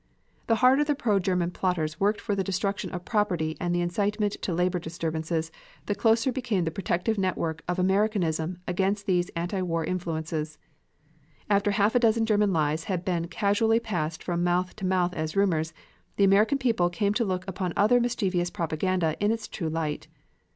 The harder the pro German plotters worked for the destruction of property and the incitement to labor disturbances, the closer became the protective network of Americanism against these anti war influences. After half a dozen German lies had been casually passed from mouth to mouth as rumors; the American people came to look upon other mischievous propaganda in its true light.